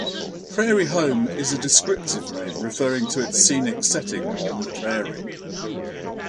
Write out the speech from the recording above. Prairie Home is a descriptive name, referring to its scenic setting on the prairie.